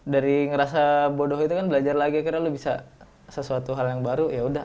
dari ngerasa bodoh itu kan belajar lagi akhirnya lo bisa sesuatu hal yang baru yaudah